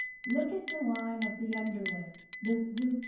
"Look at the line of the under lip.